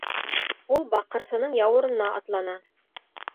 Ул баҡырсының яурынына атлана.